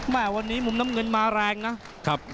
แม่วันนี้มุมน้ำเงินมาแรงนะครับ